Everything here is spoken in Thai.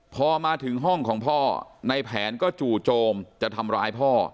พอมาถึงห้องของพ่อในแผนก็จู่โจมจะทำร้ายพ่อ